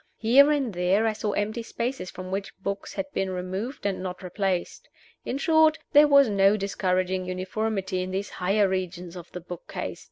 Here and there I saw empty spaces from which books had been removed and not replaced. In short, there was no discouraging uniformity in these higher regions of the book case.